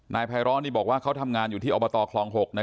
นายพายระบอกว่าเขาทำงานที่อุบตคล๖